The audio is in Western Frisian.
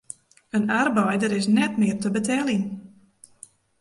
In arbeider is net mear te beteljen.